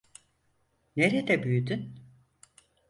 Nerede büyüdün?